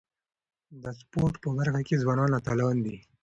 د سپورټ په برخه کي ځوانان اتلان دي.